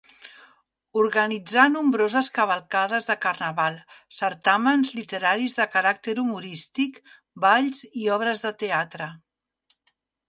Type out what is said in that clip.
Organitzà nombroses cavalcades de Carnaval, certàmens literaris de caràcter humorístic, balls i obres de teatre.